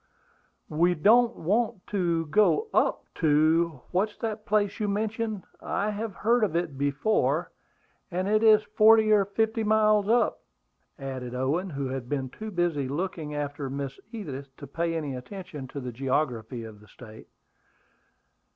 "We don't want to go up to what's that place you mentioned? I have heard of it before, and it is forty or fifty miles up," added Owen, who had been too busy looking after Miss Edith to pay any attention to the geography of the State.